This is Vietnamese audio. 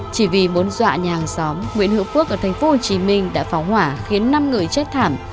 chỉ vì bốn dọa nhà hàng xóm nguyễn hữu phước ở tp hcm đã phóng hỏa khiến năm người chết thảm